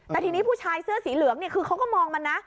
แต่ทีนี้ผู้ชายเสื้อสีเหลืองเนี่ยคือเขาก็มองมันนะ